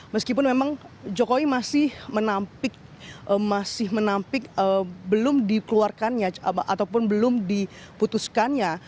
meskipun memang jokowi masih menampik masih menampik belum dikeluarkannya ataupun belum diputuskannya